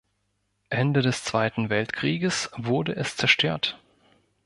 Ende des Zweiten Weltkrieges wurde es zerstört.